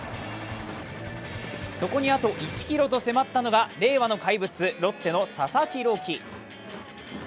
そこにあと１キロと迫ったのが令和の怪物・ロッテの佐々木朗希。